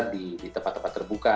di tempat tempat terbuka